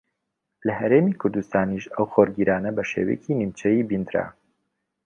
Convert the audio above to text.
لە ھەرێمی کوردستانیش ئەو خۆرگیرانە بە شێوەیەکی نیمچەیی بیندرا